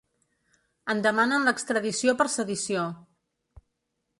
En demanen l’extradició per sedició.